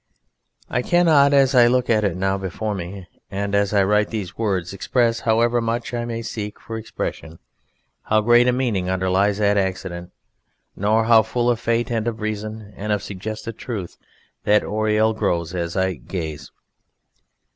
I cannot, as I look at it now before me and as I write these words, express, however much I may seek for expression, how great a meaning underlies that accident nor how full of fate and of reason and of suggested truth that aureole grows as I gaze.